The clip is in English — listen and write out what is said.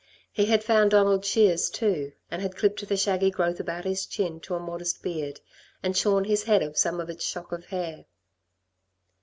He had found Donald's shears, too, and had clipped the shaggy growth about his chin to a modest beard, and shorn his head of some of its shock of hair.